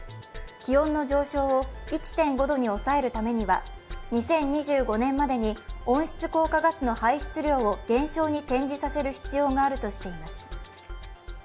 気温の上昇を１．５度に抑えるためには２０２５年までに温室効果ガスの排出量を減少に転じさせる必要があるとしています。